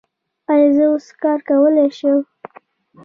ایا زه اوس کار کولی شم؟